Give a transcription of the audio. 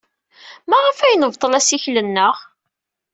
Maɣef ay nebṭel assikel-nneɣ?